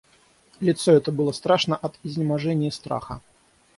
Лицо это было страшно от изнеможения и страха.